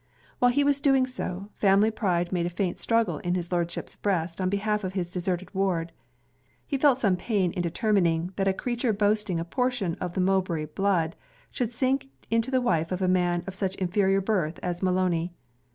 While he was doing so, family pride made a faint struggle in his Lordship's breast on behalf of his deserted ward. He felt some pain in determining, that a creature boasting a portion of the Mowbray blood, should sink into the wife of a man of such inferior birth as Maloney.